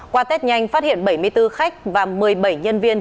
qua tết nhanh phát hiện bảy mươi bốn khách và một mươi bảy nhân viên